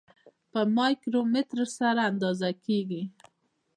په مایکرومتر سره اندازه کیږي.